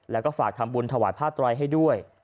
แล้วก็ฝากทำบุญถวายผ้าไตรให้ด้วย